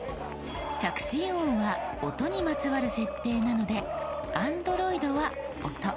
着信音は音にまつわる設定なのでＡｎｄｒｏｉｄは「音」